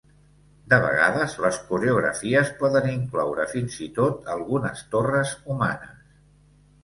De vegades, les coreografies poden incloure fins i tot algunes torres humanes.